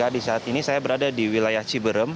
di saat ini saya berada di wilayah ciberem